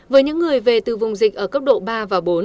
với những người về từ vùng dịch ở cấp độ ba và bốn